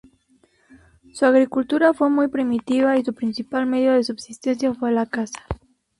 Su agricultura fue muy primitiva y su principal medio de subsistencia fue la caza.